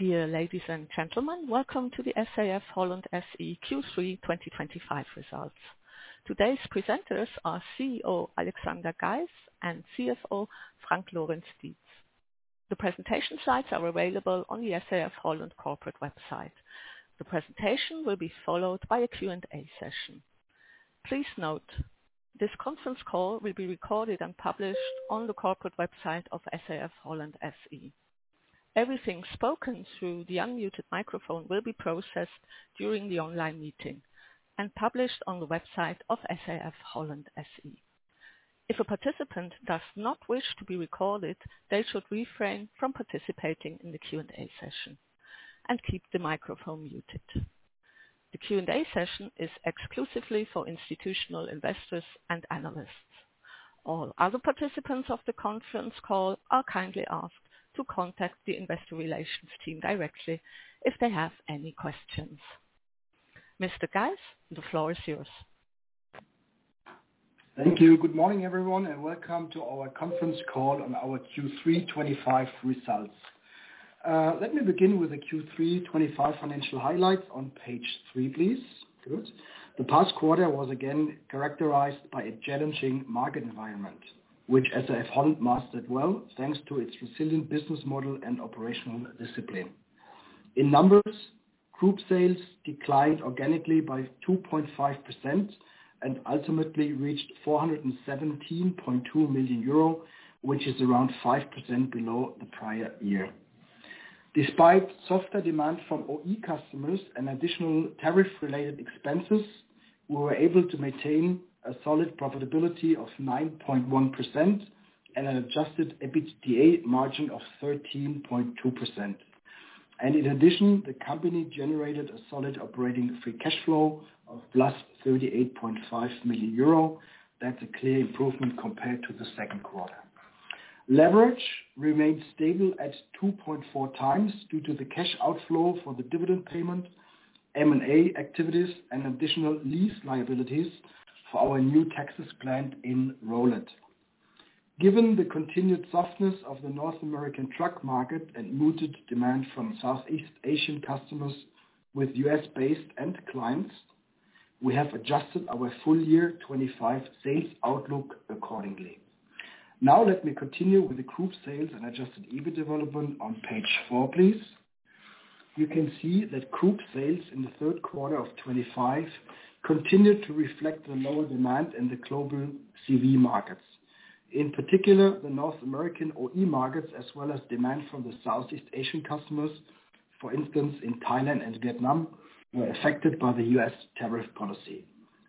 Dear ladies and gentlemen, Welcome to the SAF-Holland SE Q3 2025 results. Today's presenters are CEO Alexander Geis and CFO Frank Lorenz-Dietz. The presentation slides are available on the SAF-Holland corporate website. The presentation will be followed by a Q&A session. Please note: this conference call will be recorded and published on the corporate website of SAF-Holland SE. Everything spoken through the unmuted microphone will be processed during the online meeting and published on the website of SAF-Holland SE. If a participant does not wish to be recorded, they should refrain from participating in the Q&A session and keep the microphone muted. The Q&A session is exclusively for institutional investors and analysts. All other participants of the conference call are kindly asked to contact the investor relations team directly if they have any questions. Mr. Geis, the floor is yours. Thank you. Good morning, everyone, and welcome to our conference call on our Q3 2025 results. Let me begin with the Q3 2025 financial highlights on page three, please. Good. The past quarter was again characterized by a challenging market environment, which SAF-Holland mastered well thanks to its resilient business model and operational discipline. In numbers, group sales declined organically by 2.5% and ultimately reached 417.2 million euro, which is around 5% below the prior year. Despite softer demand from OE customers and additional tariff-related expenses, we were able to maintain a solid profitability of 9.1% and an adjusted EBITDA margin of 13.2%. In addition, the company generated a solid operating free cash flow of +38.5 million euro. That is a clear improvement compared to the second quarter. Leverage remained stable at 2.4x due to the cash outflow for the dividend payment, M&A activities, and additional lease liabilities for our new taxes planned in Rowlett. Given the continued softness of the North American truck market and muted demand from Southeast Asian customers with U.S.-based end clients, we have adjusted our full-year 2025 sales outlook accordingly. Now, let me continue with the group sales and adjusted EBIT development on page four, please. You can see that group sales in the third quarter of 2025 continued to reflect the lower demand in the global CV markets, in particular the North American OE markets, as well as demand from the Southeast Asian customers, for instance, in Thailand and Vietnam, who are affected by the U.S. tariff policy.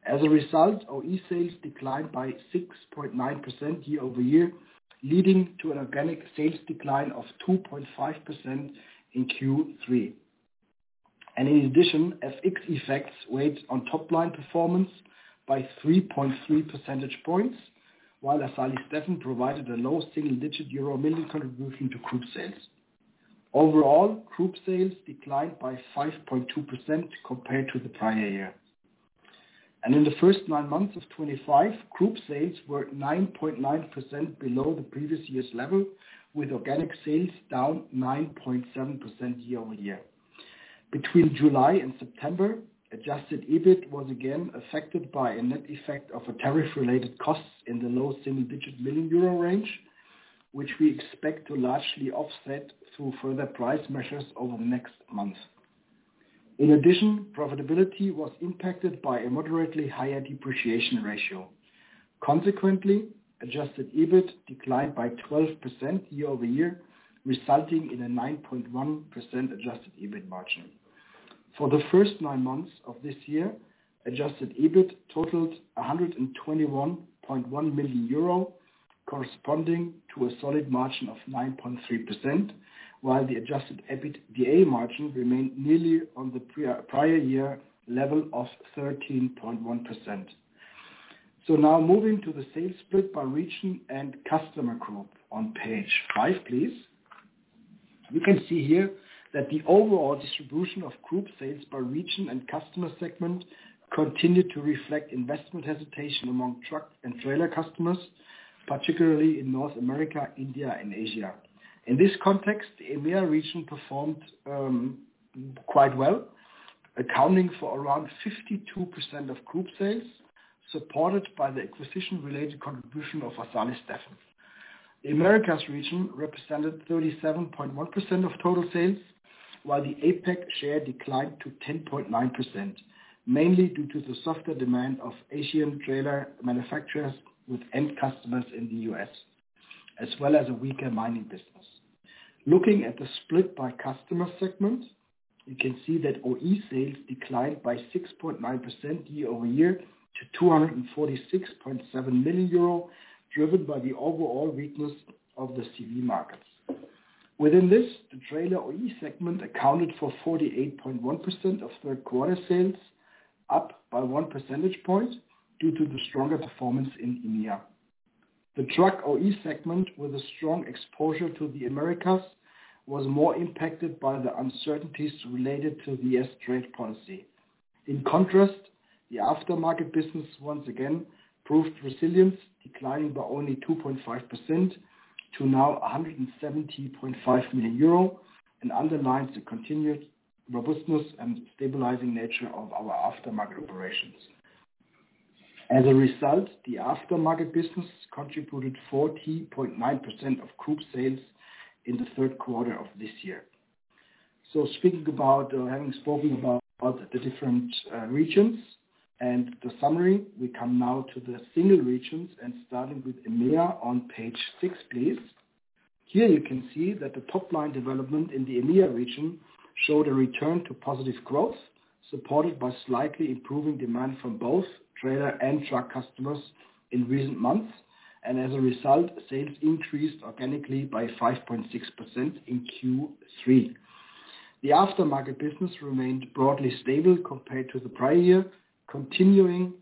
As a result, OE sales declined by 6.9% year-over-year, leading to an organic sales decline of 2.5% in Q3. In addition, FX effects weighed on top-line performance by 3.3 percentage points, while Assali Stefen provided a low single-digit euro million contribution to group sales. Overall, group sales declined by 5.2% compared to the prior year. In the first nine months of 2025, group sales were 9.9% below the previous year's level, with organic sales down 9.7% year-over-year. Between July and September, adjusted EBIT was again affected by a net effect of tariff-related costs in the low single-digit Euro million range, which we expect to largely offset through further price measures over the next month. In addition, profitability was impacted by a moderately higher depreciation ratio. Consequently, adjusted EBIT declined by 12% year-over-year, resulting in a 9.1% adjusted EBIT margin. For the first nine months of this year, adjusted EBIT totaled 121.1 million euro, corresponding to a solid margin of 9.3%, while the adjusted EBITDA margin remained nearly on the prior year level of 13.1%. Now, moving to the sales split by region and customer group on page five, please. You can see here that the overall distribution of group sales by region and customer segment continued to reflect investment hesitation among truck and trailer customers, particularly in North America, India, and Asia. In this context, the EMEA region performed quite well, accounting for around 52% of group sales, supported by the acquisition-related contribution of Assali Stefen. The EMEA region represented 37.1% of total sales, while the APEC share declined to 10.9%, mainly due to the softer demand of Asian trailer manufacturers with end customers in the U.S., as well as a weaker mining business. Looking at the split by customer segment, you can see that OE sales declined by 6.9% year-over-year to 246.7 million euro, driven by the overall weakness of the CV markets. Within this, the trailer OE segment accounted for 48.1% of third-quarter sales, up by one percentage point due to the stronger performance in EMEA. The truck OE segment, with a strong exposure to the Americas, was more impacted by the uncertainties related to the U.S. trade policy. In contrast, the aftermarket business once again proved resilience, declining by only 2.5% to now 170.5 million euro and underlines the continued robustness and stabilizing nature of our aftermarket operations. As a result, the aftermarket business contributed 40.9% of group sales in the third quarter of this year. Speaking about having spoken about the different regions and the summary, we come now to the single regions and starting with EMEA on page six, please. Here you can see that the top-line development in the EMEA region showed a return to positive growth, supported by slightly improving demand from both trailer and truck customers in recent months. As a result, sales increased organically by 5.6% in Q3. The aftermarket business remained broadly stable compared to the prior year, continuing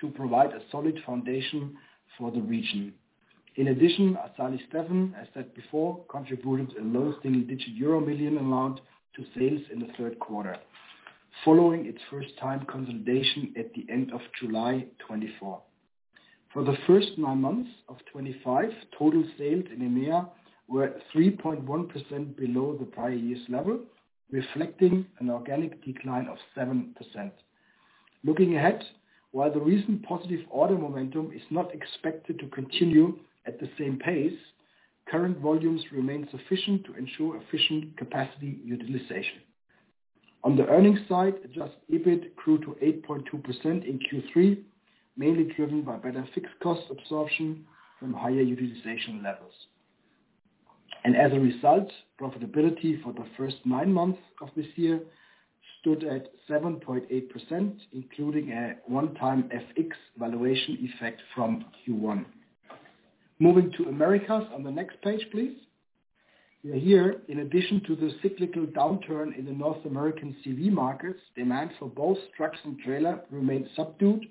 to provide a solid foundation for the region. In addition, Assali Stefen, as said before, contributed a low single-digit euro million amount to sales in the third quarter, following its first-time consolidation at the end of July 2024. For the first nine months of 2025, total sales in EMEA were 3.1% below the prior year's level, reflecting an organic decline of 7%. Looking ahead, while the recent positive order momentum is not expected to continue at the same pace, current volumes remain sufficient to ensure efficient capacity utilization. On the earnings side, adjusted EBIT grew to 8.2% in Q3, mainly driven by better fixed cost absorption from higher utilization levels. As a result, profitability for the first nine months of this year stood at 7.8%, including a one-time FX valuation effect from Q1. Moving to Americas on the next page, please. Here, in addition to the cyclical downturn in the North American CV markets, demand for both trucks and trailers remained subdued,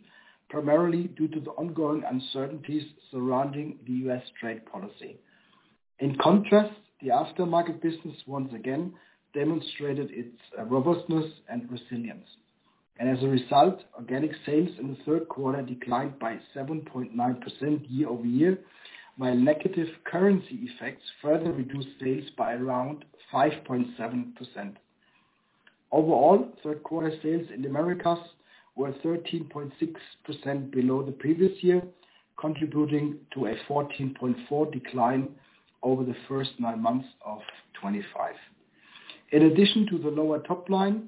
primarily due to the ongoing uncertainties surrounding the U.S. trade policy. In contrast, the aftermarket business once again demonstrated its robustness and resilience. As a result, organic sales in the third quarter declined by 7.9% year-over-year, while negative currency effects further reduced sales by around 5.7%. Overall, third-quarter sales in Americas were 13.6% below the previous year, contributing to a 14.4% decline over the first nine months of 2025. In addition to the lower top line,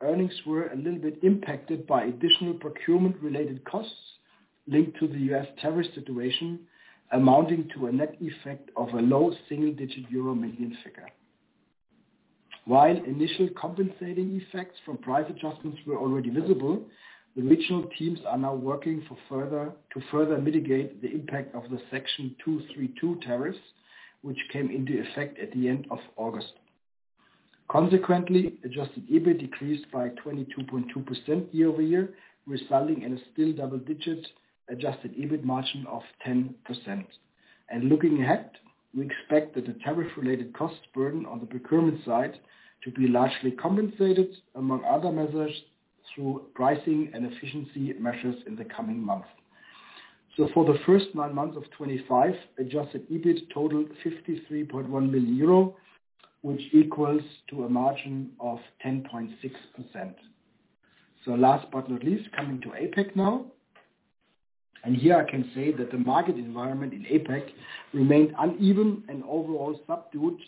earnings were a little bit impacted by additional procurement-related costs linked to the U.S. tariff situation, amounting to a net effect of a low single-digit Euro million figure. While initial compensating effects from price adjustments were already visible, the regional teams are now working to further mitigate the impact of the Section 232 tariffs, which came into effect at the end of August. Consequently, adjusted EBIT decreased by 22.2% year-over-year, resulting in a still double-digit adjusted EBIT margin of 10%. Looking ahead, we expect that the tariff-related cost burden on the procurement side to be largely compensated, among other measures, through pricing and efficiency measures in the coming months. For the first nine months of 2025, adjusted EBIT totaled 53.1 million euro, which equals a margin of 10.6%. Last but not least, coming to APEC now. Here I can say that the market environment in APEC remained uneven and overall subdued,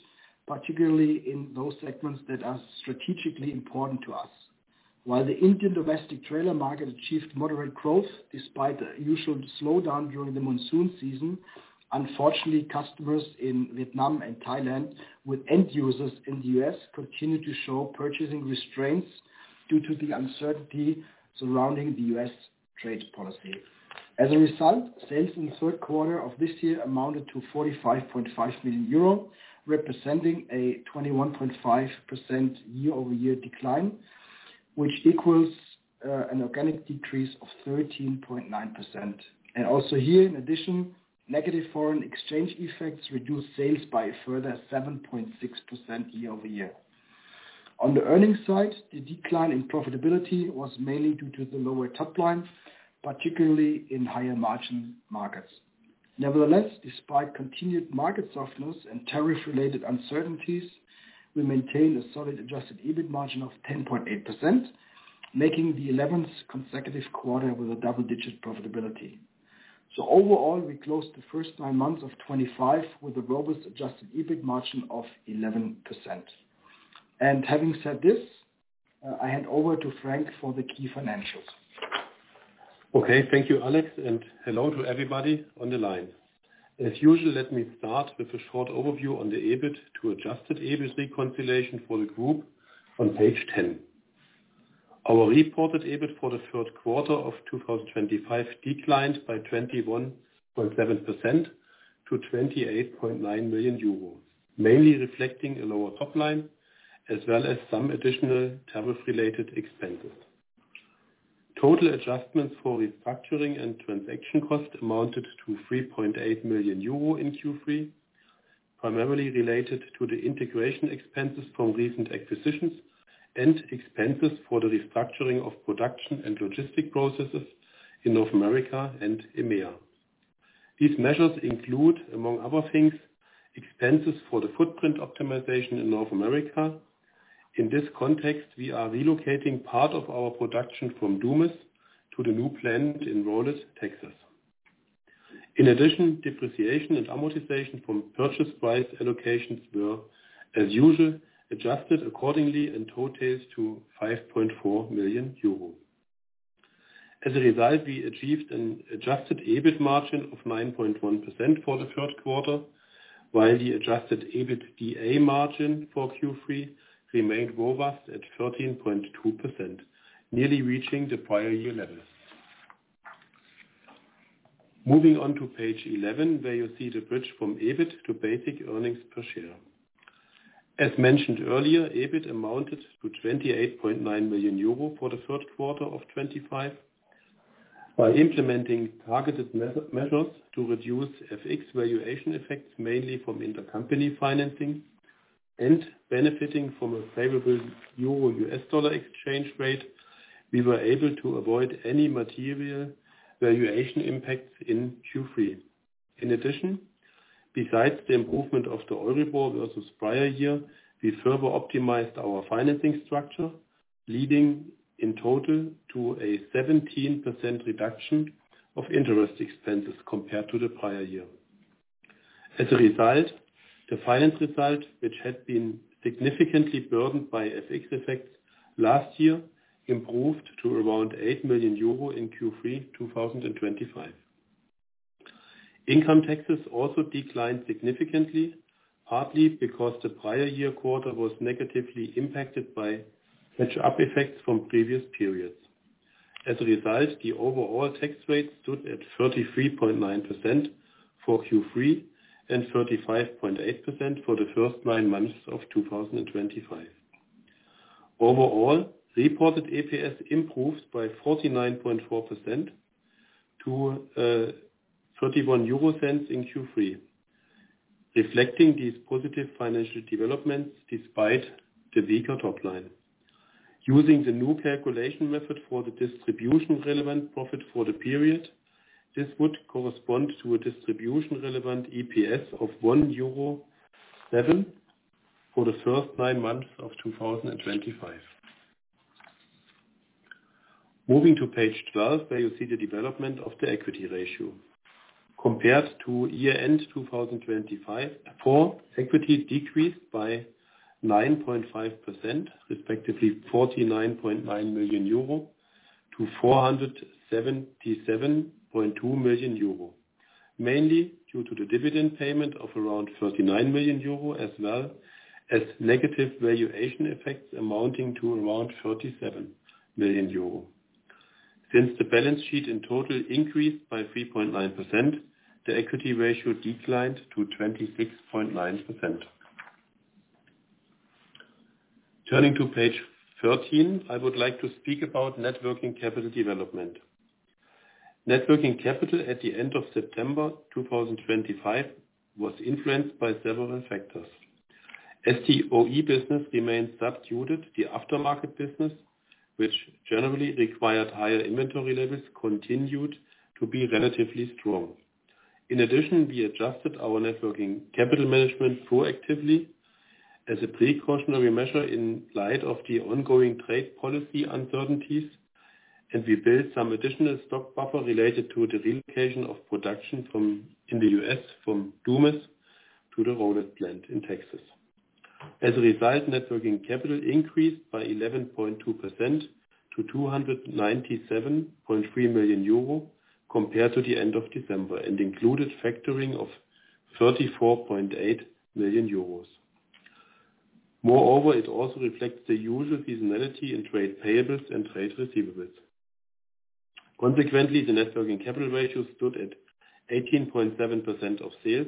particularly in those segments that are strategically important to us. While the Indian domestic trailer market achieved moderate growth despite the usual slowdown during the monsoon season, unfortunately, customers in Vietnam and Thailand with end users in the U.S. continue to show purchasing restraints due to the uncertainty surrounding the U.S. trade policy. As a result, sales in the third quarter of this year amounted to 45.5 million euro, representing a 21.5% year-over-year decline, which equals an organic decrease of 13.9%. Also here, in addition, negative foreign exchange effects reduced sales by a further 7.6% year-over-year. On the earnings side, the decline in profitability was mainly due to the lower top line, particularly in higher margin markets. Nevertheless, despite continued market softness and tariff-related uncertainties, we maintained a solid adjusted EBIT margin of 10.8%, making the 11th consecutive quarter with a double-digit profitability. Overall, we closed the first nine months of 2025 with a robust adjusted EBIT margin of 11%. Having said this, I hand over to Frank for the key financials. Okay. Thank you, Alex. And hello to everybody on the line. As usual, let me start with a short overview on the EBIT to adjusted EBIT reconciliation for the group on page 10. Our reported EBIT for the third quarter of 2025 declined by 21.7% to 28.9 million euro, mainly reflecting a lower top line as well as some additional tariff-related expenses. Total adjustments for restructuring and transaction costs amounted to 3.8 million euro in Q3, primarily related to the integration expenses from recent acquisitions and expenses for the restructuring of production and logistic processes in North America and EMEA. These measures include, among other things, expenses for the footprint optimization in North America. In this context, we are relocating part of our production from Dumas to the new plant in Rowlett, Texas. In addition, depreciation and amortization from purchase price allocations were, as usual, adjusted accordingly and totaled to 5.4 million euro. As a result, we achieved an adjusted EBIT margin of 9.1% for the third quarter, while the adjusted EBITDA margin for Q3 remained robust at 13.2%, nearly reaching the prior year level. Moving on to page 11, where you see the bridge from EBIT to basic earnings per share. As mentioned earlier, EBIT amounted to 28.9 million euro for the third quarter of 2025. By implementing targeted measures to reduce FX valuation effects, mainly from intercompany financing, and benefiting from a favorable Euro/U.S. dollar exchange rate, we were able to avoid any material valuation impacts in Q3. In addition, besides the improvement of the Euribor versus prior year, we further optimized our financing structure, leading in total to a 17% reduction of interest expenses compared to the prior year. As a result, the finance result, which had been significantly burdened by FX effects last year, improved to around 8 million euro in Q3 2025. Income taxes also declined significantly, partly because the prior year quarter was negatively impacted by catch-up effects from previous periods. As a result, the overall tax rate stood at 33.9% for Q3 and 35.8% for the first nine months of 2025. Overall, reported EPS improved by 49.4% to 0.31 in Q3, reflecting these positive financial developments despite the weaker top line. Using the new calculation method for the distribution-relevant profit for the period, this would correspond to a distribution-relevant EPS of 1.7 euro for the first nine months of 2025. Moving to page 12, where you see the development of the equity ratio. Compared to year-end 2024, equity decreased by 9.5%, respectively 49.9 million euro - 477.2 million euro, mainly due to the dividend payment of around 39 million euro, as well as negative valuation effects amounting to around 37 million euro. Since the balance sheet in total increased by 3.9%, the equity ratio declined to 26.9%. Turning to page 13, I would like to speak about net working capital development. Net working capital at the end of September 2025 was influenced by several factors. As the OE business remained subdued, the aftermarket business, which generally required higher inventory levels, continued to be relatively strong. In addition, we adjusted our net working capital management proactively as a precautionary measure in light of the ongoing trade policy uncertainties, and we built some additional stock buffer related to the relocation of production in the U.S. from Dumas to the Rowlett plant in Texas. As a result, net working capital increased by 11.2% to 297.3 million euro compared to the end of December and included factoring of 34.8 million euros. Moreover, it also reflects the usual seasonality in trade payables and trade receivables. Consequently, the net working capital ratio stood at 18.7% of sales,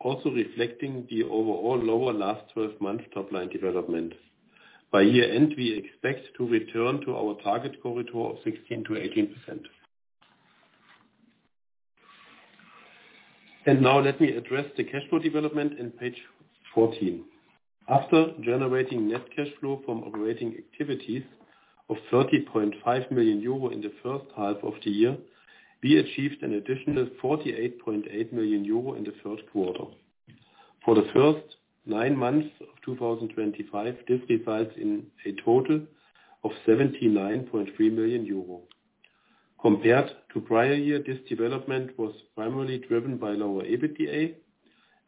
also reflecting the overall lower last 12 months top line development. By year-end, we expect to return to our target corridor of 16%-18%. Now let me address the cash flow development on page 14. After generating net cash flow from operating activities of 30.5 million euro in the first half of the year, we achieved an additional 48.8 million euro in the third quarter. For the first nine months of 2025, this results in a total of 79.3 million euro. Compared to prior year, this development was primarily driven by lower EBITDA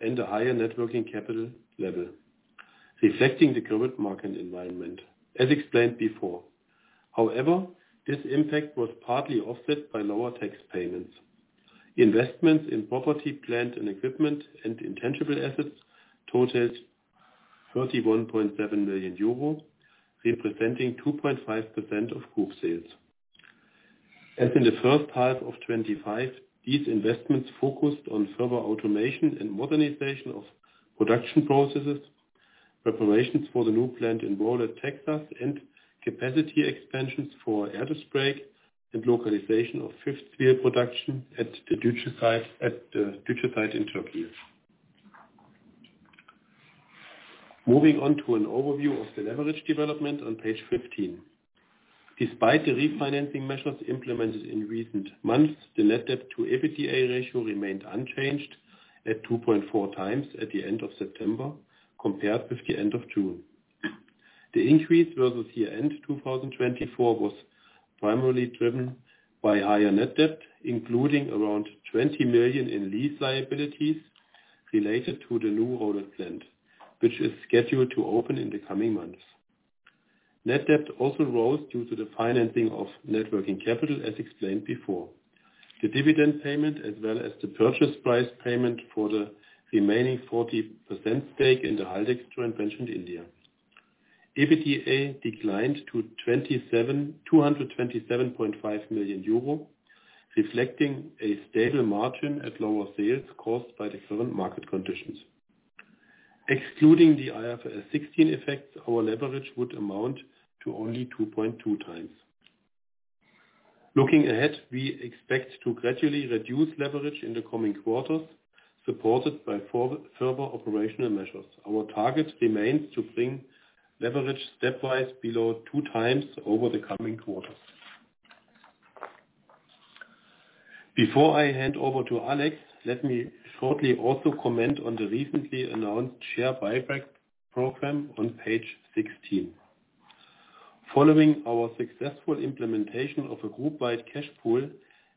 and a higher net working capital level, reflecting the current market environment, as explained before. However, this impact was partly offset by lower tax payments. Investments in property, plant and equipment, and intangible assets totaled 31.7 million euro, representing 2.5% of group sales. As in the first half of 2025, these investments focused on further automation and modernization of production processes, preparations for the new plant in Rowlett, Texas, and capacity expansions for Air Disc Brake and localization of fifth wheel production at the Dutch site in Turkey. Moving on to an overview of the leverage development on page 15. Despite the refinancing measures implemented in recent months, the net debt to EBITDA ratio remained unchanged at 2.4x at the end of September compared with the end of June. The increase versus year-end 2023 was primarily driven by higher net debt, including around 20 million in lease liabilities related to the new Rowlett plant, which is scheduled to open in the coming months. Net debt also rose due to the financing of net working capital, as explained before. The dividend payment, as well as the purchase price payment for the remaining 40% stake in the Haldex joint venture in India, EBITDA declined to 227.5 million euro, reflecting a stable margin at lower sales caused by the current market conditions. Excluding the IFRS 16 effects, our leverage would amount to only 2.2x. Looking ahead, we expect to gradually reduce leverage in the coming quarters, supported by further operational measures. Our target remains to bring leverage stepwise below two times over the coming quarters. Before I hand over to Alex, let me shortly also comment on the recently announced share buyback program on page 16. Following our successful implementation of a group-wide cash pool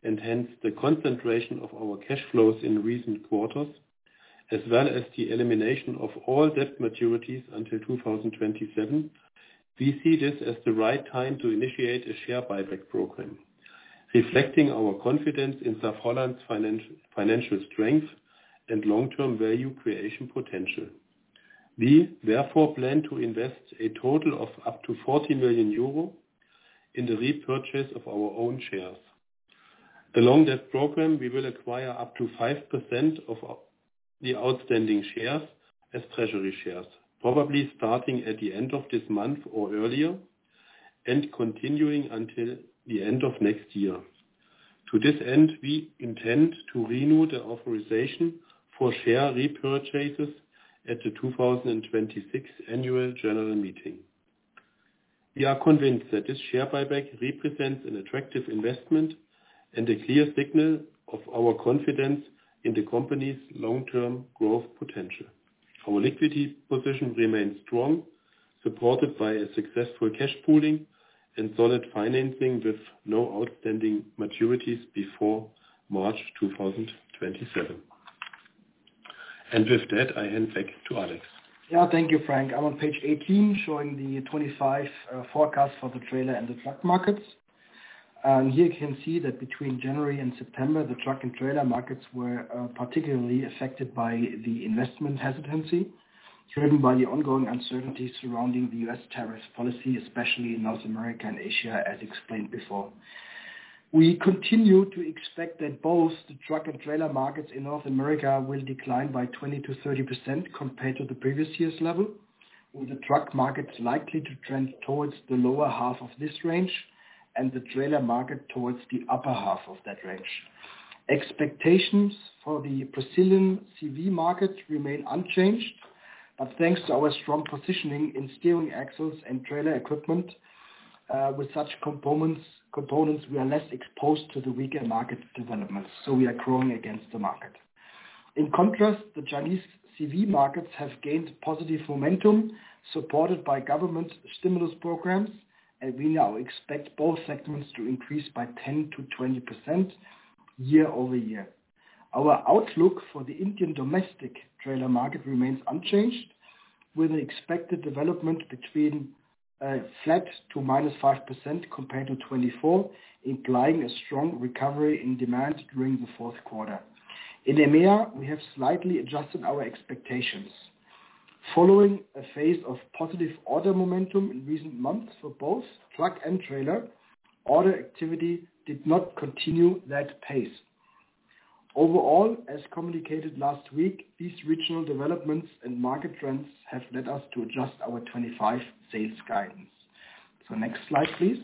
and hence the concentration of our cash flows in recent quarters, as well as the elimination of all debt maturities until 2027, we see this as the right time to initiate a share buyback program, reflecting our confidence in SAF-Holland's financial strength and long-term value creation potential. We therefore plan to invest a total of up to 40 million euro in the repurchase of our own shares. Along that program, we will acquire up to 5% of the outstanding shares as treasury shares, probably starting at the end of this month or earlier and continuing until the end of next year. To this end, we intend to renew the authorization for share repurchases at the 2026 annual general meeting. We are convinced that this share buyback represents an attractive investment and a clear signal of our confidence in the company's long-term growth potential. Our liquidity position remains strong, supported by a successful cash pooling and solid financing with no outstanding maturities before March 2027. With that, I hand back to Alex. Yeah, thank you, Frank. I'm on page 18, showing the 2025 forecast for the trailer and the truck markets. You can see that between January and September, the truck and trailer markets were particularly affected by the investment hesitancy, driven by the ongoing uncertainty surrounding the U.S. tariff policy, especially in North America and Asia, as explained before. We continue to expect that both the truck and trailer markets in North America will decline by 20%-30% compared to the previous year's level, with the truck markets likely to trend towards the lower half of this range and the trailer market towards the upper half of that range. Expectations for the Brazilian CV market remain unchanged, but thanks to our strong positioning in steering axles and trailer equipment with such components, we are less exposed to the weaker market developments, so we are growing against the market. In contrast, the Chinese CV markets have gained positive momentum, supported by government stimulus programs, and we now expect both segments to increase by 10%-20% year-over-year. Our outlook for the Indian domestic trailer market remains unchanged, with an expected development between flat to -5% compared to 2024, implying a strong recovery in demand during the fourth quarter. In EMEA, we have slightly adjusted our expectations. Following a phase of positive order momentum in recent months for both truck and trailer, order activity did not continue that pace. Overall, as communicated last week, these regional developments and market trends have led us to adjust our 2025 sales guidance. Next slide, please.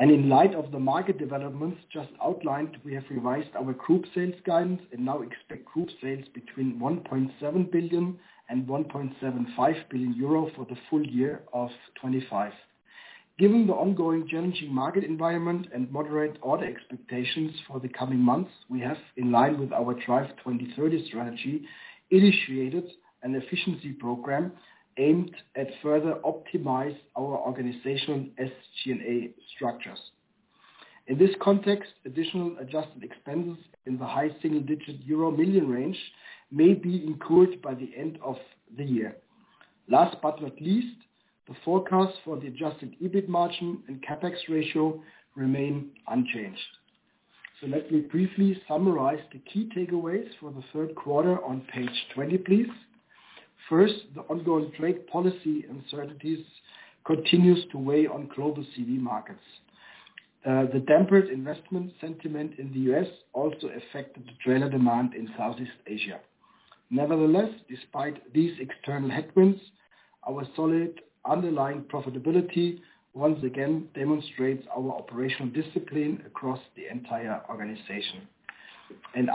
In light of the market developments just outlined, we have revised our group sales guidance and now expect group sales between 1.7 billion-1.75 billion euro for the full year of 2025. Given the ongoing challenging market environment and moderate order expectations for the coming months, we have, in line with our drive2030 strategy, initiated an efficiency program aimed at further optimizing our organizational SG&A structures. In this context, additional adjusted expenses in the high single-digit Euro million range may be incurred by the end of the year. Last but not least, the forecast for the adjusted EBIT margin and CapEx ratio remain unchanged. Let me briefly summarize the key takeaways for the third quarter on page 20, please. First, the ongoing trade policy uncertainties continue to weigh on global CV markets. The tempered investment sentiment in the U.S. also affected the trailer demand in Southeast Asia. Nevertheless, despite these external headwinds, our solid underlying profitability once again demonstrates our operational discipline across the entire organization.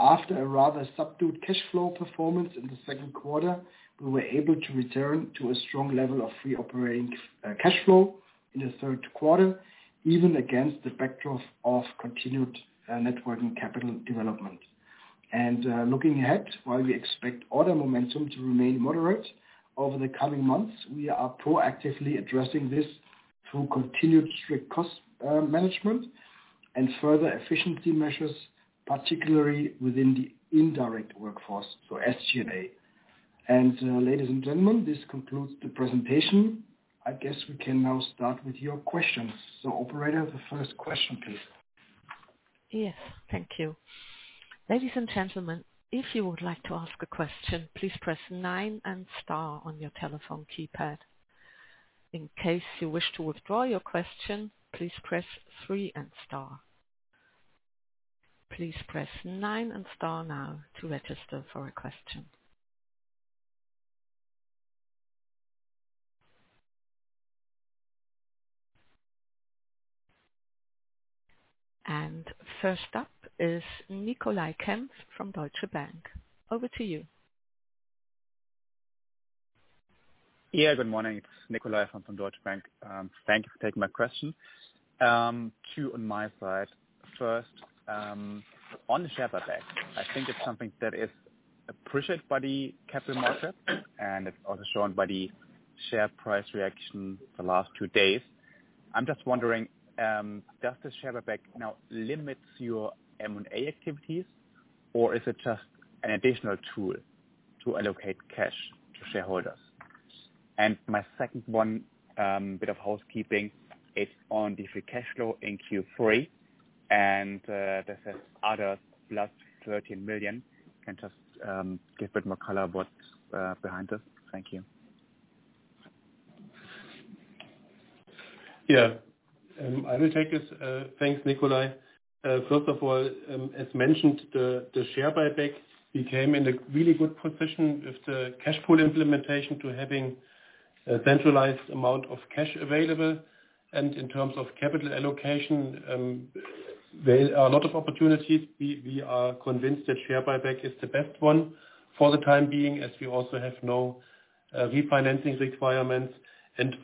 After a rather subdued cash flow performance in the second quarter, we were able to return to a strong level of free operating cash flow in the third quarter, even against the backdrop of continued net working capital development. Looking ahead, while we expect order momentum to remain moderate over the coming months, we are proactively addressing this through continued strict cost management and further efficiency measures, particularly within the indirect workforce, so SG&A. Ladies and gentlemen, this concludes the presentation. I guess we can now start with your questions. Operator, the first question, please. Yes, thank you. Ladies and gentlemen, if you would like to ask a question, please press nine and star on your telephone keypad. In case you wish to withdraw your question, please press three and star. Please press nine and star now to register for a question. First up is Nicolai Kempf from Deutsche Bank. Over to you. Yeah, good morning. It's Nicolai from Deutsche Bank. Thank you for taking my question. Two on my side. First, on the share buyback, I think it's something that is appreciated by the capital market, and it's also shown by the share price reaction the last two days. I'm just wondering, does the share buyback now limit your M&A activities, or is it just an additional tool to allocate cash to shareholders? My second one, a bit of housekeeping, it's on the free cash flow in Q3, and there's another +13 million. Can you just give a bit more color of what's behind this. Thank you. Yeah, I will take this. Thanks, Nikolai. First of all, as mentioned, the share buyback became in a really good position with the cash pool implementation to having a centralized amount of cash available. In terms of capital allocation, there are a lot of opportunities. We are convinced that share buyback is the best one for the time being, as we also have no refinancing requirements.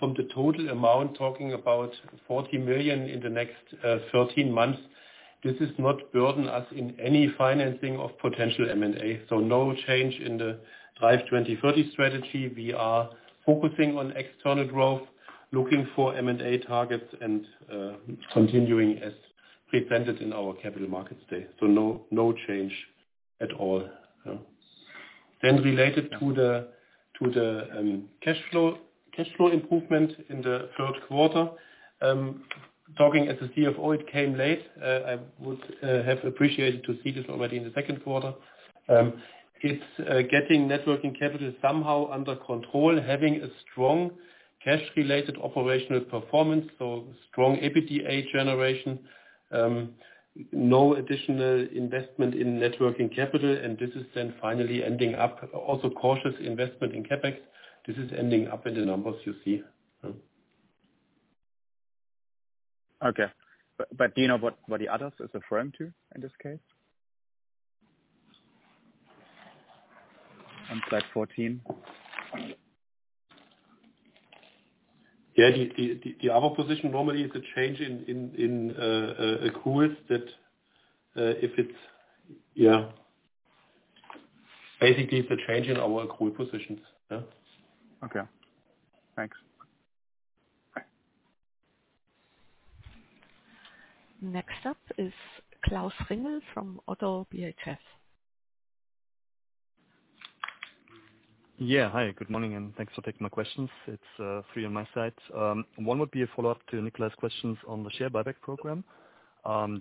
From the total amount, talking about 40 million in the next 13 months, this does not burden us in any financing of potential M&A. No change in the drive2030 strategy. We are focusing on external growth, looking for M&A targets, and continuing as presented in our capital markets today. No change at all. Related to the cash flow improvement in the third quarter, talking as a CFO, it came late. I would have appreciated to see this already in the second quarter. It's getting net working capital somehow under control, having a strong cash-related operational performance, so strong EBITDA generation, no additional investment in net working capital, and this is then finally ending up also cautious investment in CapEx. This is ending up in the numbers you see. Okay. Do you know what the others are referring to in this case? On slide 14. Yeah, the other position normally is a change in accruals that if it's, yeah. Basically, it's a change in our accrual positions. Okay. Thanks. Next up is Klaus Ringel from ODDO BHF. Yeah, hi. Good morning, and thanks for taking my questions. It's three on my side. One would be a follow-up to Nicolai's questions on the share buyback program.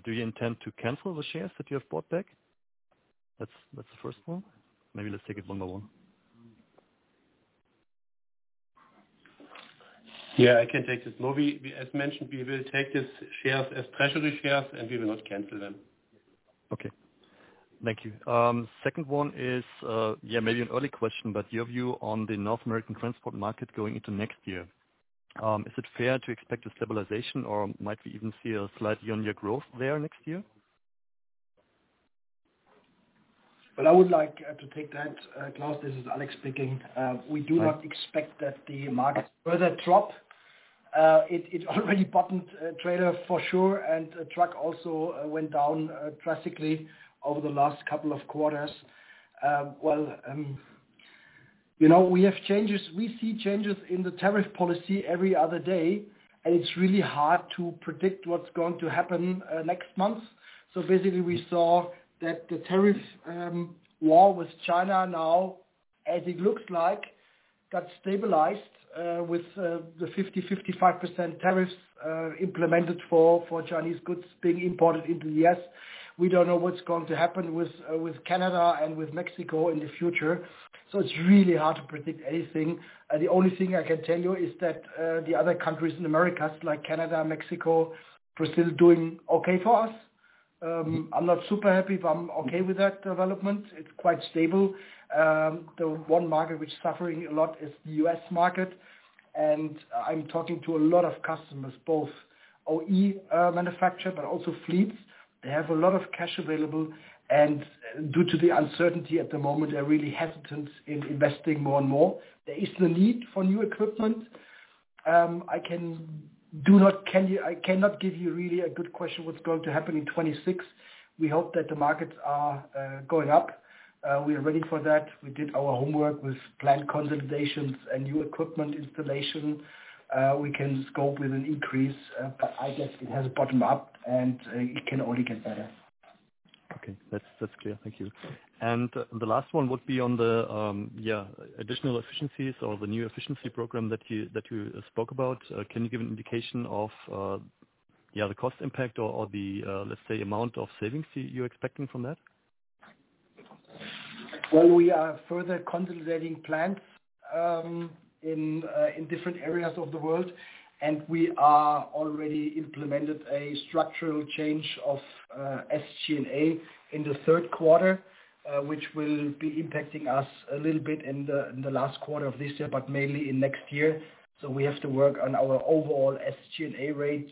Do you intend to cancel the shares that you have bought back? That's the first one. Maybe let's take it one by one. Yeah, I can take this. As mentioned, we will take these shares as treasury shares, and we will not cancel them. Okay. Thank you. Second one is, yeah, maybe an early question, but your view on the North American transport market going into next year. Is it fair to expect a stabilization, or might we even see a slight year-on-year growth there next year? I would like to take that, Klaus. This is Alex speaking. We do not expect that the markets further drop. It already bottomed, trailer for sure, and truck also went down drastically over the last couple of quarters. We have changes. We see changes in the tariff policy every other day, and it's really hard to predict what's going to happen next month. Basically, we saw that the tariff war with China now, as it looks like, got stabilized with the 50%-55% tariffs implemented for Chinese goods being imported into the U.S. We don't know what's going to happen with Canada and with Mexico in the future. It's really hard to predict anything. The only thing I can tell you is that the other countries in America, like Canada, Mexico, Brazil, are doing okay for us. I'm not super happy, but I'm okay with that development. It's quite stable. The one market which is suffering a lot is the U.S. market. I'm talking to a lot of customers, both OE manufacturers, but also fleets. They have a lot of cash available. Due to the uncertainty at the moment, they're really hesitant in investing more and more. There is the need for new equipment. I cannot give you really a good question of what's going to happen in 2026. We hope that the markets are going up. We are ready for that. We did our homework with planned consolidations and new equipment installation. We can scope with an increase, but I guess it has bottomed up, and it can only get better. Okay. That's clear. Thank you. The last one would be on the, yeah, additional efficiencies or the new efficiency program that you spoke about. Can you give an indication of, yeah, the cost impact or the, let's say, amount of savings you're expecting from that? We are further consolidating plants in different areas of the world, and we have already implemented a structural change of SG&A in the third quarter, which will be impacting us a little bit in the last quarter of this year, but mainly in next year. We have to work on our overall SG&A rate,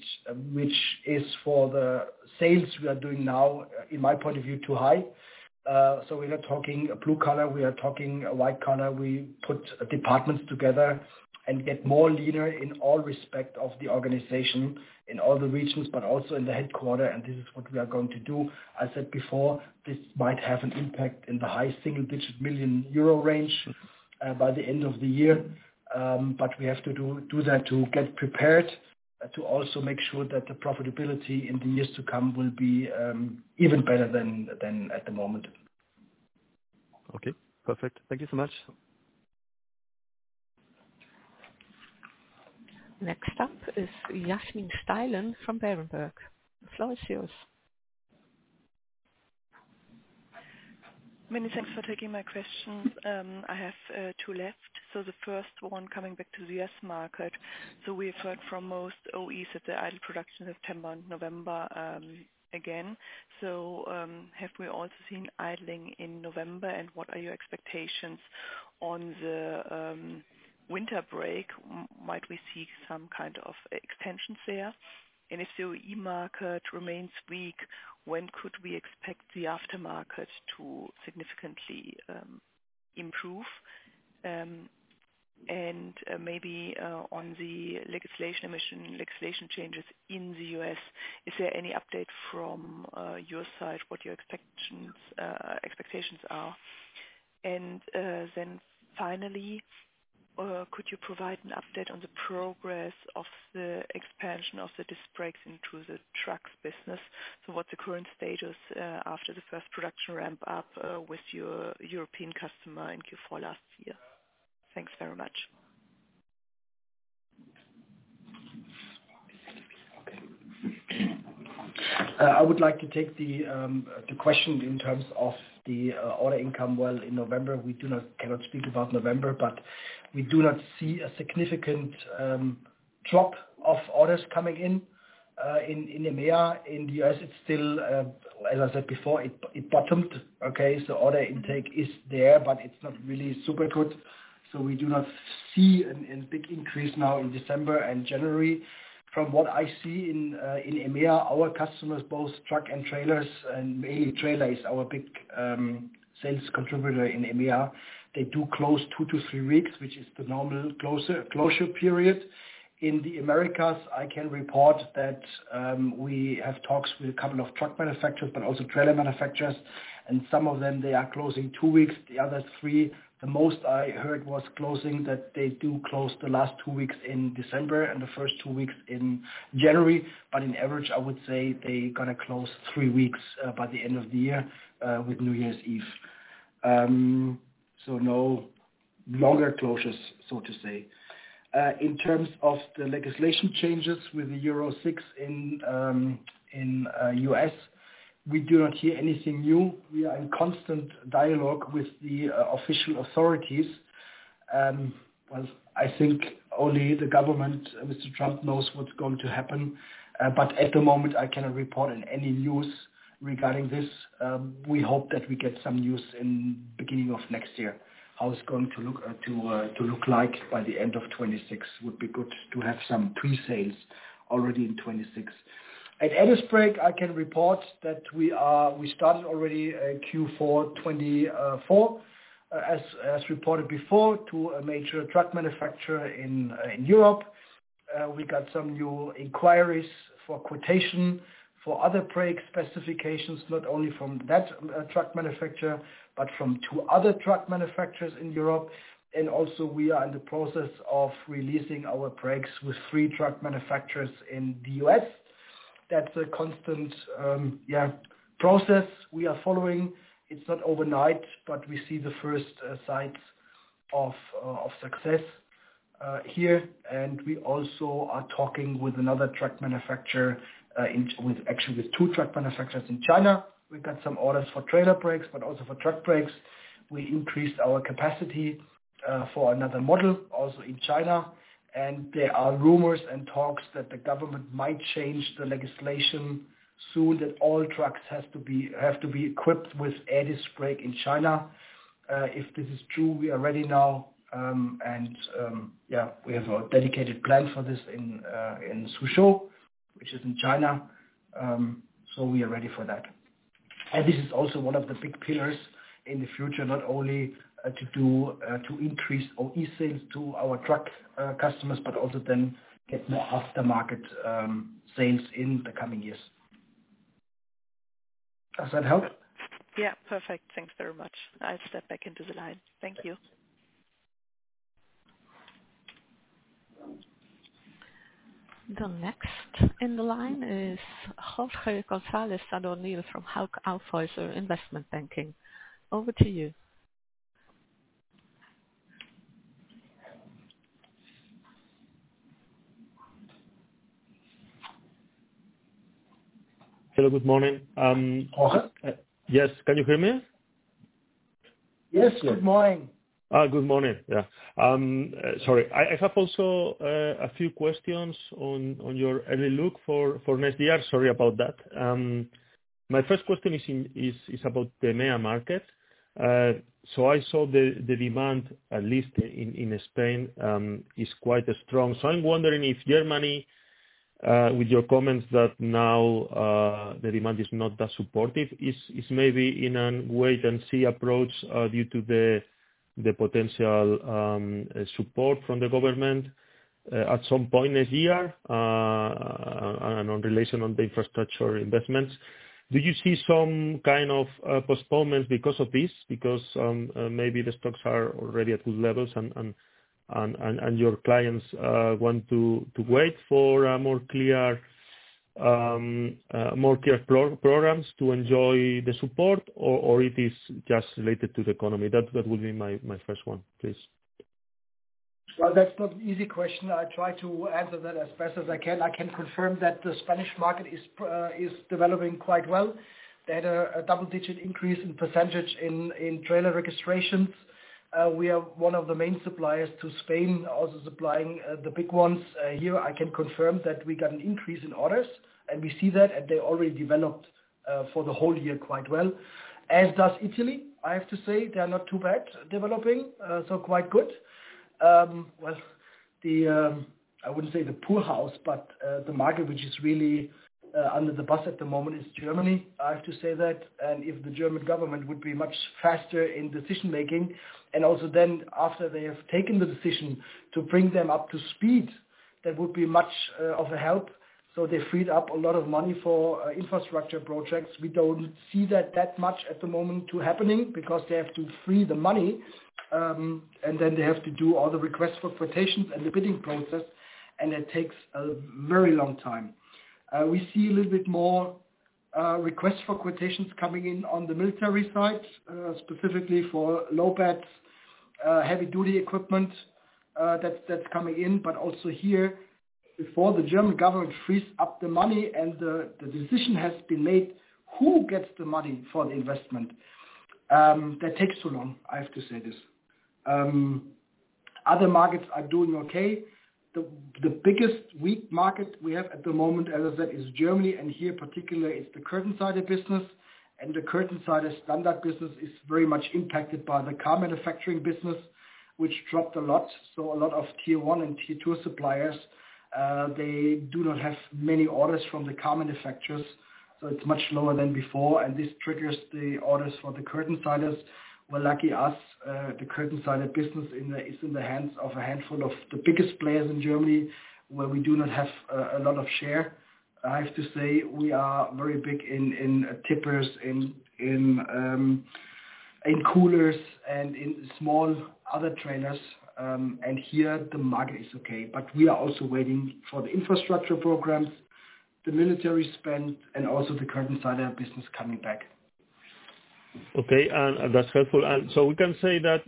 which is, for the sales we are doing now, in my point of view, too high. We are not talking a blue collar. We are talking a white collar. We put departments together and get more leaner in all respect of the organization in all the regions, but also in the headquarter. This is what we are going to do. I said before, this might have an impact in the high single-digit million Euro range by the end of the year. We have to do that to get prepared to also make sure that the profitability in the years to come will be even better than at the moment. Okay. Perfect. Thank you so much. Next up is Yasmin Steilen from Berenberg. Floor is yours. Many thanks for taking my questions. I have two left. The first one, coming back to the U.S. market. We have heard from most OEs that the idle production is September and November again. Have we also seen idling in November? What are your expectations on the winter break? Might we see some kind of extensions there? If the OE market remains weak, when could we expect the aftermarket to significantly improve? Maybe on the legislation changes in the U.S., is there any update from your side what your expectations are? Finally, could you provide an update on the progress of the expansion of the disc brakes into the trucks business? What is the current status after the first production ramp-up with your European customer in Q4 last year? Thanks very much. I would like to take the question in terms of the order income. In November, we cannot speak about November, but we do not see a significant drop of orders coming in. In EMEA, in the U.S., it is still, as I said before, it bottomed. Okay? So order intake is there, but it is not really super good. We do not see a big increase now in December and January. From what I see in EMEA, our customers, both truck and trailers, and mainly trailers, are our big sales contributor in EMEA. They do close two to three weeks, which is the normal closure period. In the Americas, I can report that we have talks with a couple of truck manufacturers, but also trailer manufacturers. Some of them, they are closing two weeks. The other three, the most I heard was closing that they do close the last two weeks in December and the first two weeks in January. In average, I would say they are going to close three weeks by the end of the year with New Year's Eve. No longer closures, so to say. In terms of the legislation changes with the Euro 6 in the U.S., we do not hear anything new. We are in constant dialogue with the official authorities. I think only the government, Mr. Trump, knows what is going to happen. At the moment, I cannot report on any news regarding this. We hope that we get some news in the beginning of next year. How it is going to look like by the end of 2026, it would be good to have some pre-sales already in 2026. At Air Disc Brakes, I can report that we started already Q4 2024, as reported before, to a major truck manufacturer in Europe. We got some new inquiries for quotation for other brake specifications, not only from that truck manufacturer, but from two other truck manufacturers in Europe. We are in the process of releasing our brakes with three truck manufacturers in the U.S. That is a constant, yeah, process we are following. It is not overnight, but we see the first signs of success here. We also are talking with another truck manufacturer, actually with two truck manufacturers in China. We got some orders for trailer brakes, but also for truck brakes. We increased our capacity for another model, also in China. There are rumors and talks that the government might change the legislation soon, that all trucks have to be equipped with Air Disc Brakes in China. If this is true, we are ready now. Yeah, we have a dedicated plan for this in Suzhou, which is in China. We are ready for that. This is also one of the big pillars in the future, not only to increase OE sales to our truck customers, but also then get more aftermarket sales in the coming years. Does that help? Yeah. Perfect. Thanks very much. I'll step back into the line. Thank you. The next in the line is Jorge González Sadornil from Hauck Aufhäuser Investment Banking. Over to you. Hello. Good morning. Jorge? Yes. Can you hear me? Yes, yes. Good morning. Good morning. Sorry. I have also a few questions on your early look for next year. Sorry about that. My first question is about the EMEA market. I saw the demand, at least in Spain, is quite strong. I am wondering if Germany, with your comments that now the demand is not that supportive, is maybe in a wait-and-see approach due to the potential support from the government at some point this year in relation to the infrastructure investments. Do you see some kind of postponements because of this? Maybe the stocks are already at good levels, and your clients want to wait for more clear programs to enjoy the support, or it is just related to the economy? That would be my first one, please. That's not an easy question. I try to answer that as best as I can. I can confirm that the Spanish market is developing quite well. They had a double-digit increase in percentage in trailer registrations. We are one of the main suppliers to Spain, also supplying the big ones here. I can confirm that we got an increase in orders, and we see that, and they already developed for the whole year quite well. As does Italy, I have to say. They are not too bad developing, so quite good. I wouldn't say the pool house, but the market which is really under the bus at the moment is Germany, I have to say that. If the German government would be much faster in decision-making, and also then after they have taken the decision to bring them up to speed, that would be much of a help. They freed up a lot of money for infrastructure projects. We do not see that that much at the moment happening because they have to free the money, and then they have to do all the requests for quotations and the bidding process, and that takes a very long time. We see a little bit more requests for quotations coming in on the military side, specifically for low-beds, heavy-duty equipment that is coming in. Also here, before the German government frees up the money and the decision has been made, who gets the money for the investment? That takes too long, I have to say this. Other markets are doing okay. The biggest weak market we have at the moment, as I said, is Germany. Here, particularly, it is the Curtainsider business. The Curtainsider standard business is very much impacted by the car manufacturing business, which dropped a lot. A lot of tier one and tier two suppliers do not have many orders from the car manufacturers, so it is much lower than before. This triggers the orders for the Curtainsiders. We are lucky as the Curtainsider business is in the hands of a handful of the biggest players in Germany, where we do not have a lot of share. I have to say we are very big in tippers, in coolers, and in small other trailers. Here, the market is okay. We are also waiting for the infrastructure programs, the military spend, and also the Curtainsider business coming back. Okay. That is helpful. Can we say that,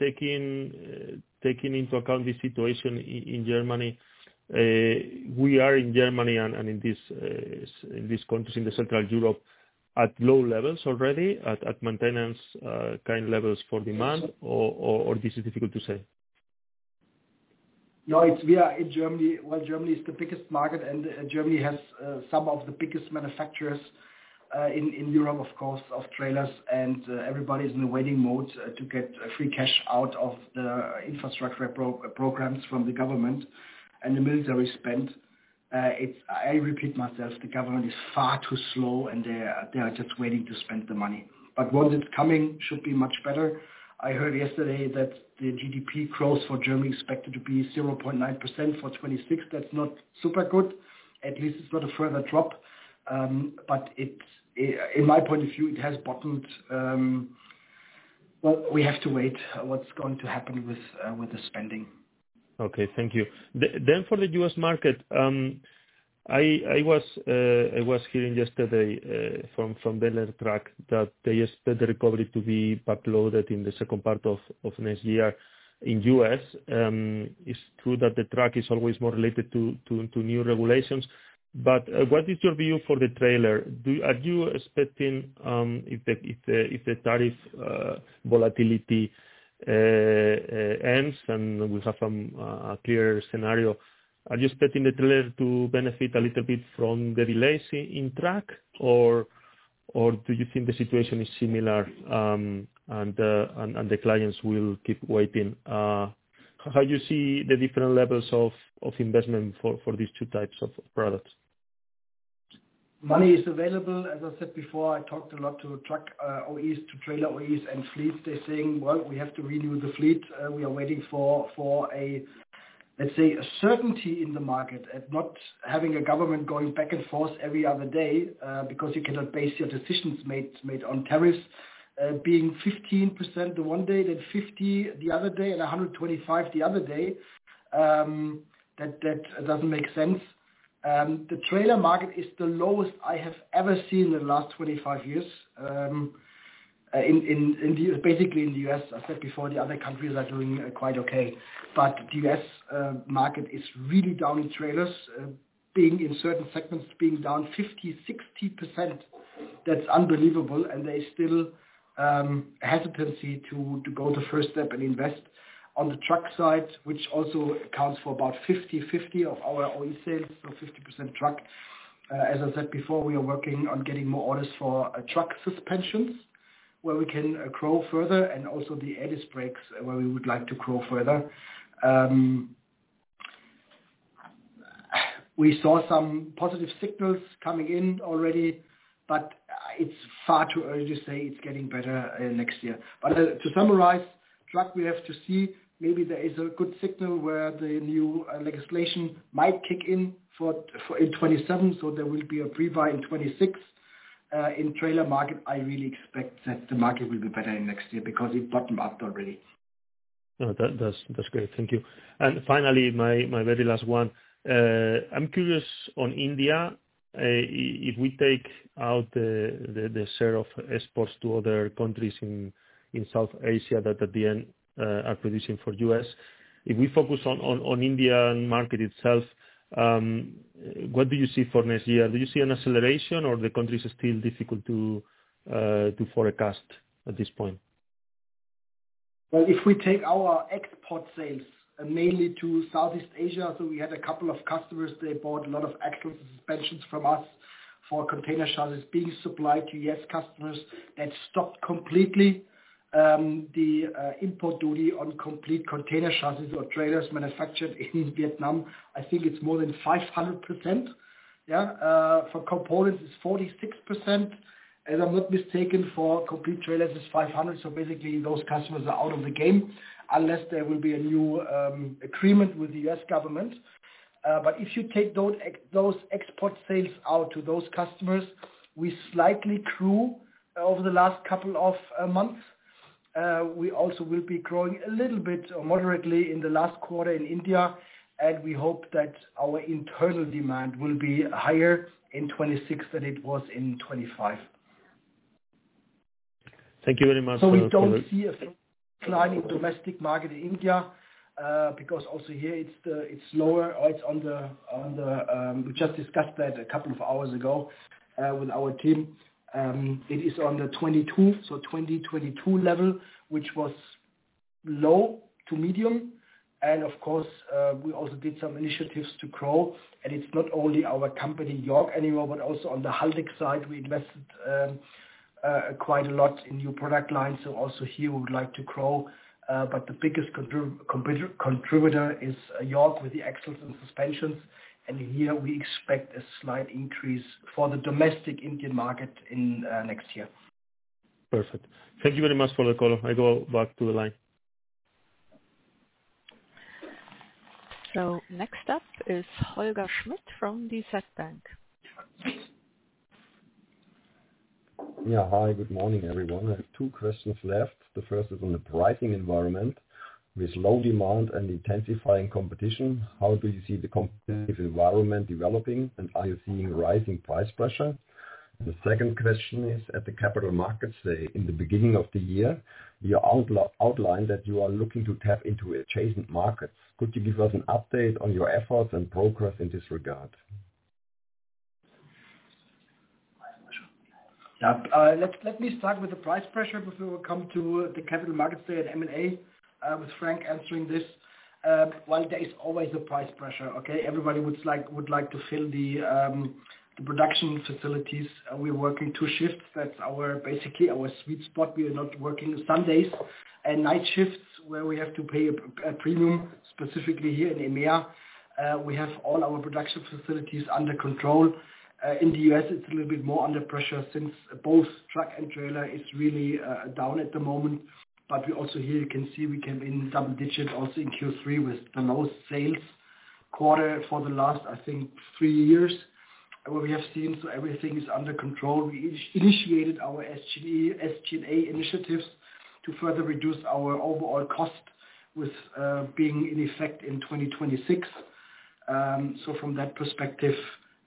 taking into account the situation in Germany, we are in Germany and in these countries in Central Europe at low levels already, at maintenance kind levels for demand, or is this difficult to say? No, we are in Germany. Germany is the biggest market, and Germany has some of the biggest manufacturers in Europe, of course, of trailers. Everybody is in the waiting mode to get free cash out of the infrastructure programs from the government and the military spend. I repeat myself, the government is far too slow, and they are just waiting to spend the money. Once it is coming, it should be much better. I heard yesterday that the GDP growth for Germany is expected to be 0.9% for 2026. That is not super good. At least it is not a further drop. In my point of view, it has bottomed. We have to wait what is going to happen with the spending. Okay. Thank you. For the U.S. market, I was hearing yesterday from Berlin Truck that they expect the recovery to be uploaded in the second part of next year in the U.S. It's true that the truck is always more related to new regulations. What is your view for the trailer? Are you expecting if the tariff volatility ends and we have a clear scenario, are you expecting the trailer to benefit a little bit from the delays in truck, or do you think the situation is similar and the clients will keep waiting? How do you see the different levels of investment for these two types of products? Money is available. As I said before, I talked a lot to truck OEs, to trailer OEs and fleets. They are saying, "We have to renew the fleet." We are waiting for, let's say, a certainty in the market and not having a government going back and forth every other day because you cannot base your decisions made on tariffs being 15% one day, then 50% the other day, and 125% the other day. That does not make sense. The trailer market is the lowest I have ever seen in the last 25 years. Basically, in the U.S., as I said before, the other countries are doing quite okay. The U.S. market is really down in trailers, being in certain segments being down 50%-60%. That is unbelievable. There is still a hesitancy to go the first step and invest on the truck side, which also accounts for about 50-50 of our OE sales, so 50% truck. As I said before, we are working on getting more orders for truck suspensions where we can grow further and also the Air Disc Brakes where we would like to grow further. We saw some positive signals coming in already, but it is far too early to say it is getting better next year. To summarize, truck, we have to see. Maybe there is a good signal where the new legislation might kick in in 2027, so there will be a pre-buy in 2026. In trailer market, I really expect that the market will be better next year because it bottomed up already. No, that's great. Thank you. Finally, my very last one. I'm curious on India. If we take out the share of exports to other countries in South Asia that at the end are producing for the U.S., if we focus on the Indian market itself, what do you see for next year? Do you see an acceleration, or are the countries still difficult to forecast at this point? If we take our export sales mainly to Southeast Asia, we had a couple of customers. They bought a lot of axles and suspensions from us for container chassis being supplied to U.S. customers. That stopped completely. The import duty on complete container chassis or trailers manufactured in Vietnam, I think it's more than 500%. Yeah. For components, it's 46%. If I'm not mistaken, for complete trailers, it's 500%. Basically, those customers are out of the game unless there will be a new agreement with the U.S. government. If you take those export sales out to those customers, we slightly grew over the last couple of months. We also will be growing a little bit or moderately in the last quarter in India. We hope that our internal demand will be higher in 2026 than it was in 2025. Thank you very much. We do not see a climb in the domestic market in India because also here, it is lower. We just discussed that a couple of hours ago with our team. It is on the 2022 level, which was low to medium. Of course, we also did some initiatives to grow. It is not only our company, York, anymore, but also on the Haldex side. We invested quite a lot in new product lines. Also here, we would like to grow. The biggest contributor is York with the axles and suspensions. Here, we expect a slight increase for the domestic Indian market next year. Perfect. Thank you very much for the call. I go back to the line. Next up is Holger Schmidt from DZ Bank. Yeah. Hi. Good morning, everyone. I have two questions left. The first is on the pricing environment with low demand and intensifying competition. How do you see the competitive environment developing, and are you seeing rising price pressure? The second question is at the capital markets. In the beginning of the year, you outlined that you are looking to tap into adjacent markets. Could you give us an update on your efforts and progress in this regard? Yeah. Let me start with the price pressure before we come to the capital markets there at M&A with Frank answering this. There is always a price pressure, okay? Everybody would like to fill the production facilities. We're working two shifts. That's basically our sweet spot. We are not working Sundays and night shifts where we have to pay a premium, specifically here in EMEA. We have all our production facilities under control. In the U.S., it's a little bit more under pressure since both truck and trailer is really down at the moment. Also here, you can see we came in double-digit also in Q3 with the lowest sales quarter for the last, I think, three years where we have seen. Everything is under control. We initiated our SG&A initiatives to further reduce our overall cost with being in effect in 2026. From that perspective,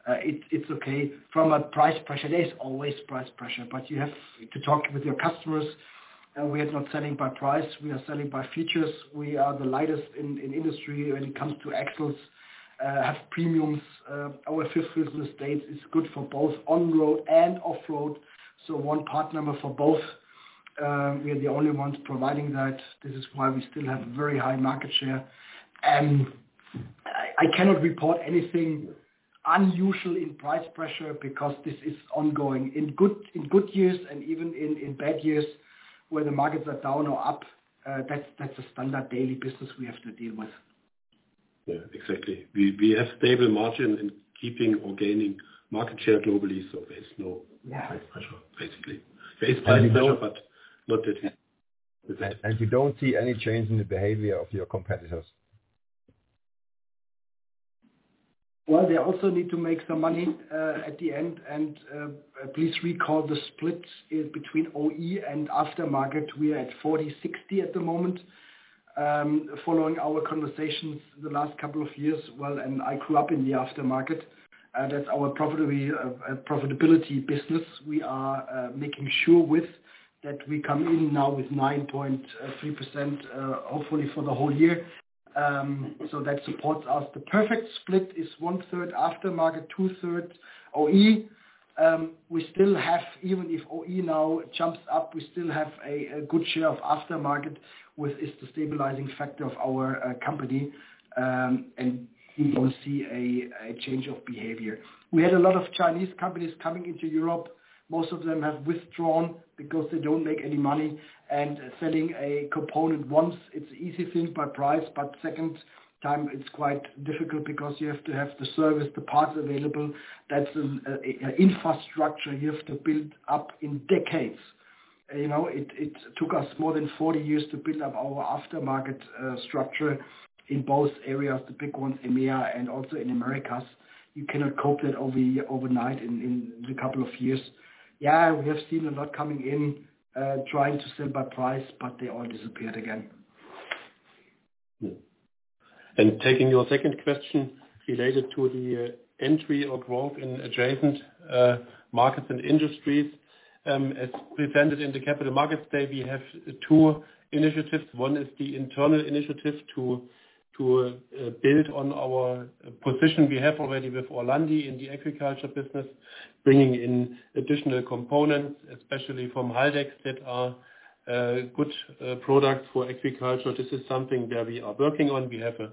it's okay. From a price pressure, there is always price pressure. You have to talk with your customers. We are not selling by price. We are selling by features. We are the lightest in industry when it comes to axles, have premiums. Our fifth wheel business is good for both on-road and off-road. One part number for both. We are the only ones providing that. This is why we still have very high market share. I cannot report anything unusual in price pressure because this is ongoing in good years and even in bad years where the markets are down or up. That is a standard daily business we have to deal with. Yeah. Exactly. We have stable margin in keeping or gaining market share globally. So there is no price pressure, basically. There is price pressure, but not that. You do not see any change in the behavior of your competitors? They also need to make some money at the end. Please recall the split between OE and aftermarket. We are at 40, 60 at the moment. Following our conversations the last couple of years, and I grew up in the aftermarket. That is our profitability business. We are making sure with that we come in now with 9.3%, hopefully for the whole year. That supports us. The perfect split is one-third aftermarket, two-thirds OE. We still have, even if OE now jumps up, we still have a good share of aftermarket, which is the stabilizing factor of our company. We do not see a change of behavior. We had a lot of Chinese companies coming into Europe. Most of them have withdrawn because they do not make any money. Selling a component once, it is an easy thing by price. Second time, it's quite difficult because you have to have the service, the parts available. That's an infrastructure you have to build up in decades. It took us more than 40 years to build up our aftermarket structure in both areas, the big ones, EMEA and also in Americas. You cannot cope with that overnight in a couple of years. Yeah, we have seen a lot coming in trying to sell by price, but they all disappeared again. Taking your second question related to the entry or growth in adjacent markets and industries, as presented in the capital markets day, we have two initiatives. One is the internal initiative to build on our position we have already with Orlandi in the agriculture business, bringing in additional components, especially from Haldex that are good products for agriculture. This is something that we are working on. We have a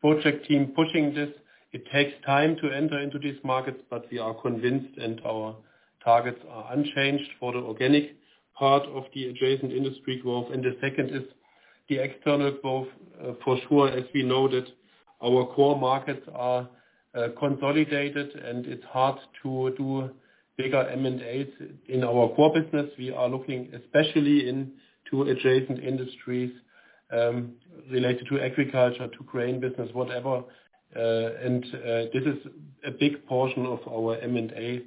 project team pushing this. It takes time to enter into these markets, but we are convinced and our targets are unchanged for the organic part of the adjacent industry growth. The second is the external growth, for sure, as we know that our core markets are consolidated, and it is hard to do bigger M&As in our core business. We are looking especially into adjacent industries related to agriculture, to grain business, whatever. This is a big portion of our M&A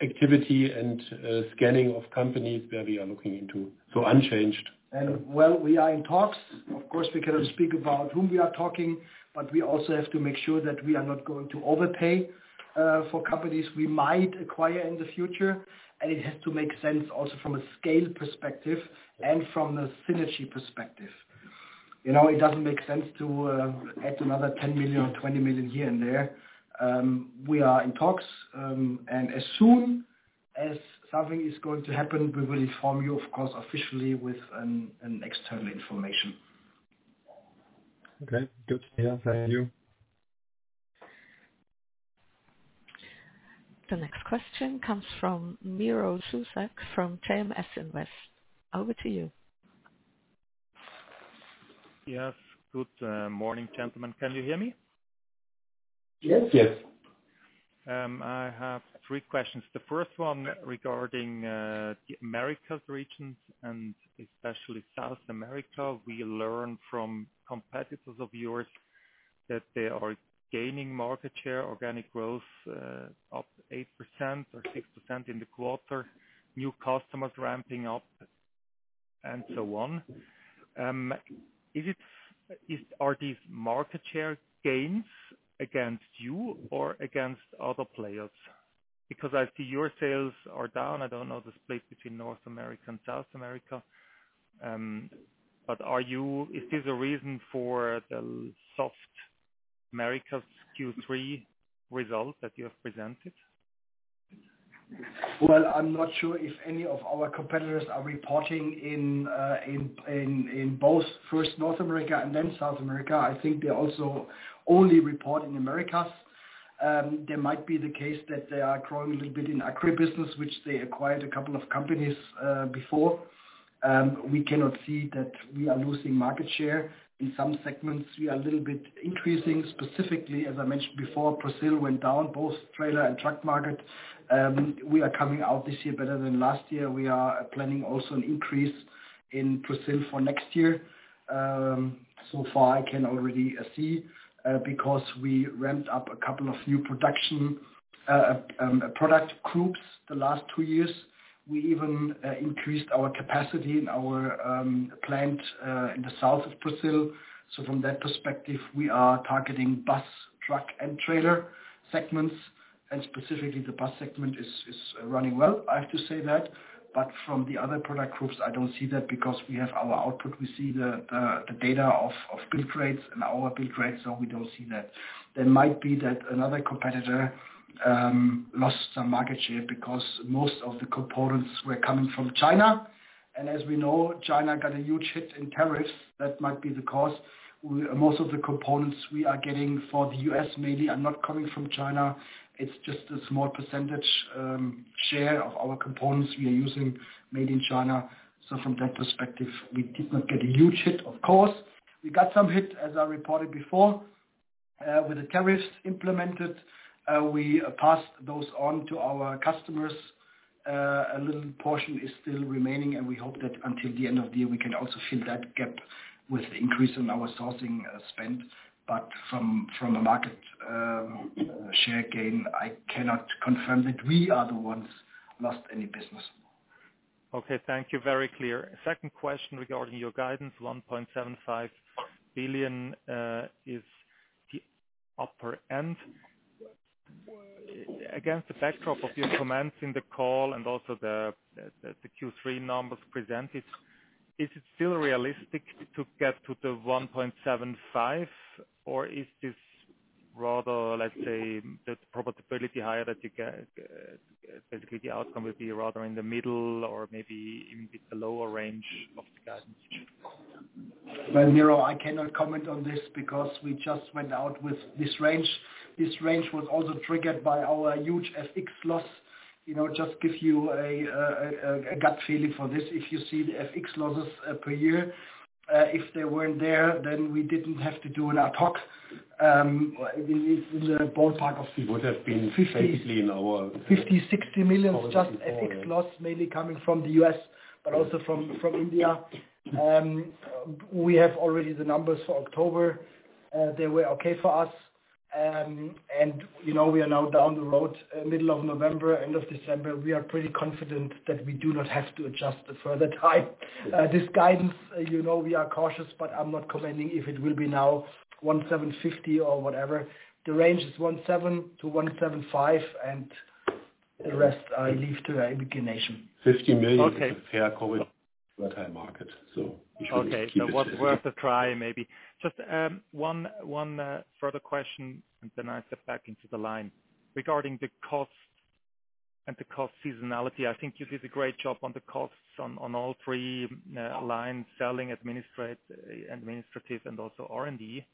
activity and scanning of companies that we are looking into. Unchanged. We are in talks. Of course, we cannot speak about whom we are talking, but we also have to make sure that we are not going to overpay for companies we might acquire in the future. It has to make sense also from a scale perspective and from the synergy perspective. It does not make sense to add another 10 million or 20 million here and there. We are in talks. As soon as something is going to happen, we will inform you, of course, officially with external information. Okay. Good to hear. Thank you. The next question comes from Miro Zuzak from JMS Invest. Over to you. Yes. Good morning, gentlemen. Can you hear me? Yes. Yes. I have three questions. The first one regarding the Americas region and especially South America. We learned from competitors of yours that they are gaining market share, organic growth up 8% or 6% in the quarter, new customers ramping up, and so on. Are these market share gains against you or against other players? Because I see your sales are down. I do not know the split between North America and South America. Is this a reason for the soft Americas Q3 result that you have presented? I'm not sure if any of our competitors are reporting in both first North America and then South America. I think they're also only reporting Americas. There might be the case that they are growing a little bit in agribusiness, which they acquired a couple of companies before. We cannot see that we are losing market share. In some segments, we are a little bit increasing. Specifically, as I mentioned before, Brazil went down, both trailer and truck market. We are coming out this year better than last year. We are planning also an increase in Brazil for next year. So far, I can already see because we ramped up a couple of new production product groups the last two years. We even increased our capacity in our plant in the south of Brazil. From that perspective, we are targeting bus, truck, and trailer segments. Specifically, the bus segment is running well, I have to say that. From the other product groups, I do not see that because we have our output. We see the data of build rates and our build rates, so we do not see that. There might be that another competitor lost some market share because most of the components were coming from China. As we know, China got a huge hit in tariffs. That might be the cause. Most of the components we are getting for the U.S. mainly are not coming from China. It is just a small percentage share of our components we are using made in China. From that perspective, we did not get a huge hit, of course. We got some hit, as I reported before, with the tariffs implemented. We passed those on to our customers. A little portion is still remaining, and we hope that until the end of the year, we can also fill that gap with the increase in our sourcing spend. From a market share gain, I cannot confirm that we are the ones who lost any business. Okay. Thank you. Very clear. Second question regarding your guidance, 1.75 billion is the upper end. Against the backdrop of your comments in the call and also the Q3 numbers presented, is it still realistic to get to the 1.75 billion, or is this rather, let's say, the probability higher that basically the outcome will be rather in the middle or maybe in the lower range of the guidance? Miro, I cannot comment on this because we just went out with this range. This range was also triggered by our huge FX loss. Just to give you a gut feeling for this, if you see the FX losses per year, if they were not there, then we did not have to do our talk. It is in the ballpark of 50. It would have been basically in our $50 million-$60 million just FX loss, mainly coming from the US, but also from India. We have already the numbers for October. They were okay for us. We are now down the road, middle of November, end of December. We are pretty confident that we do not have to adjust further time. This guidance, we are cautious, but I'm not commenting if it will be now 1.750 billion or whatever. The range is 1.7 billion-1.75 billion, and the rest I leave to the imagination. 50 million is a fair call for a high market. So we should keep it. Okay. So worth a try maybe. Just one further question, and then I step back into the line. Regarding the cost and the cost seasonality, I think you did a great job on the costs on all three lines, selling, administrative, and also R&D.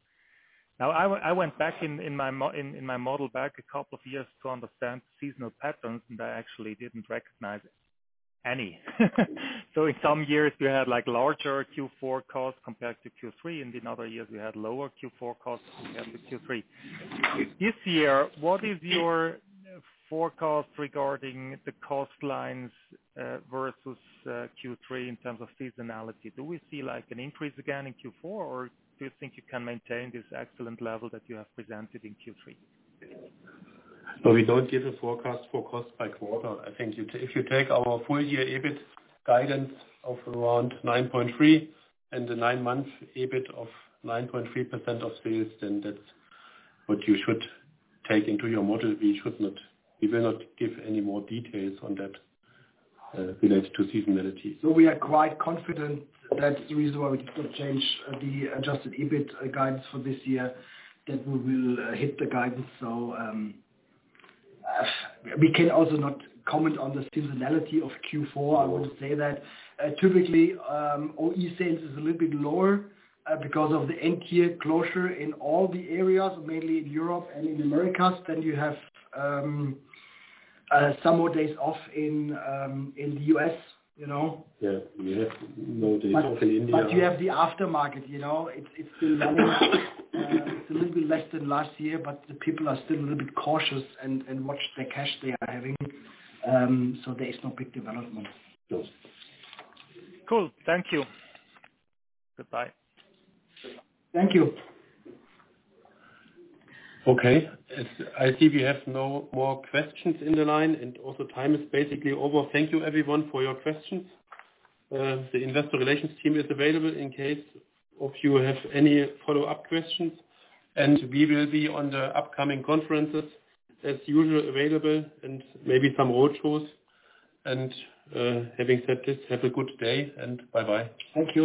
Now, I went back in my model back a couple of years to understand seasonal patterns, and I actually did not recognize any. In some years, we had larger Q4 costs compared to Q3, and in other years, we had lower Q4 costs compared to Q3. This year, what is your forecast regarding the cost lines versus Q3 in terms of seasonality? Do we see an increase again in Q4, or do you think you can maintain this excellent level that you have presented in Q3? We do not give a forecast for cost by quarter. I think if you take our full-year EBIT guidance of around 9.3% and the nine-month EBIT of 9.3% of sales, then that is what you should take into your model. We will not give any more details on that related to seasonality. We are quite confident that the reason why we did not change the adjusted EBIT guidance for this year is that we will hit the guidance. We can also not comment on the seasonality of Q4. I want to say that typically, OE sales is a little bit lower because of the end-year closure in all the areas, mainly in Europe and in the Americas. You have some more days off in the U.S. Yeah. You have more days off in India. You have the aftermarket. It is still running. It is a little bit less than last year, but the people are still a little bit cautious and watch the cash they are having. There is no big development. Cool. Thank you. Goodbye. Thank you. Okay. I see we have no more questions in the line, and also time is basically over. Thank you, everyone, for your questions. The investor relations team is available in case you have any follow-up questions. We will be on the upcoming conferences, as usual, available, and maybe some roadshows. Having said this, have a good day and bye-bye. Thank you.